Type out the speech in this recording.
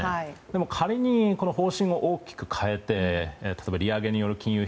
でも仮に方針を大きく変えて利上げによる金融